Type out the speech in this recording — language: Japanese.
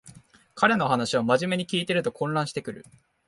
彼の話をまじめに聞いてると混乱してくる